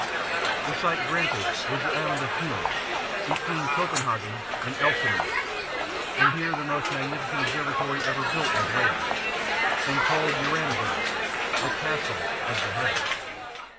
The site granted was the island of Huen, between Copenhagen and Elsinore; and here the most magnificent observatory ever built was raised, and called Uraniburg the castle of the heavens.